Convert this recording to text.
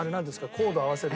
コード合わせる？